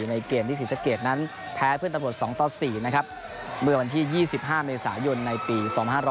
ในเกมที่ศรีสะเกดนั้นแพ้เพื่อนตำรวจ๒ต่อ๔นะครับเมื่อวันที่๒๕เมษายนในปี๒๕๖๐